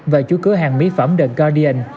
và chúi cửa hàng mỹ phẩm the guardian